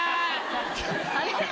あれ？